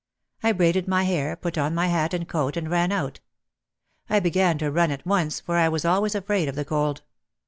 I braided my hair, put on my hat and coat, and ran out. I began to run at once, for I was always afraid of the cold.